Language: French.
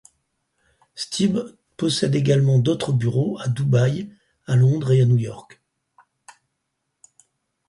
Stibbe possède également d’autres bureaux à Dubaï, à Londres et à New York.